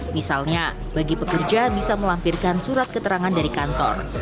misalnya bagi pekerja bisa melampirkan surat keterangan dari kantor